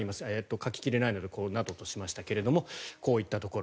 書き切れないのでなどとしましたけどこういったところ。